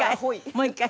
もう一回。